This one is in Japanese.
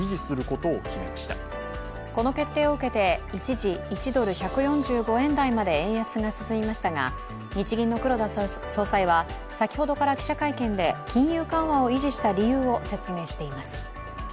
この決定を受けて、一時１ドル＝１４５円台まで円安が進みましたが日銀の黒田総裁は先ほどから記者会見で金融緩和を維持した理由を説明しています。